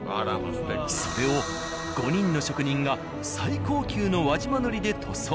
それを５人の職人が最高級の輪島塗で塗装。